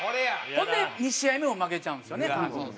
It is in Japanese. ほんで２試合目も負けちゃうんですよね。